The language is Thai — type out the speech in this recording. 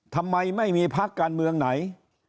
ทำไมไม่มีพักการเมืองไหน